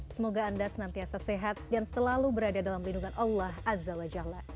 semoga anda senantiasa sehat dan selalu berada dalam lindungan allah azza wa jalla